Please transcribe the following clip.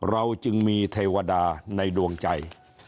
เราจึงมีเทวดาในดวงใจ